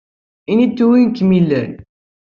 Ini-d wi kem-ilan!